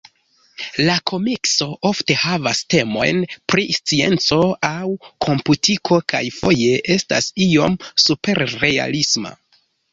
La komikso ofte havas temojn pri scienco aŭ komputiko, kaj foje estas iom superrealisma.